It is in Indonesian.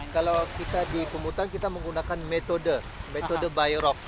kalau kita di pemutan kita menggunakan metode metode bayrok